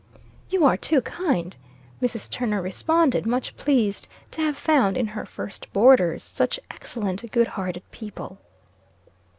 "You are too kind!" Mrs. Turner responded, much pleased to have found, in her first boarders, such excellent, good hearted people.